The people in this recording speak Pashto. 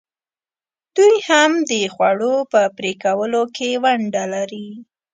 دوی هم د خوړو په پرې کولو کې ونډه لري.